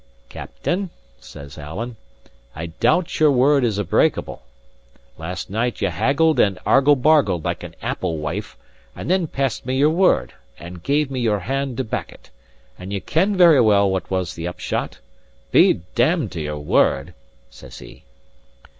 "Captain," says Alan, "I doubt your word is a breakable. Last night ye haggled and argle bargled like an apple wife; and then passed me your word, and gave me your hand to back it; and ye ken very well what was the upshot. Be damned to your word!" says he.